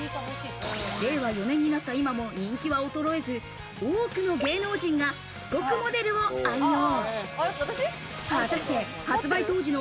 令和４年になった今も、人気は衰えず、多くの芸能人が復刻モデルを愛用。